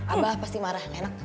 abah pasti marah gak enak